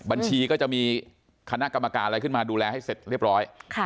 บัญชีก็จะมีคณะกรรมการอะไรขึ้นมาดูแลให้เสร็จเรียบร้อย